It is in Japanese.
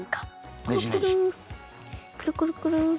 くるくるくる。